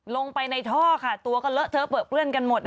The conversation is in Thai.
ลงไปในท่อค่ะตัวก็เลอะเทอะเปลือเปื้อนกันหมด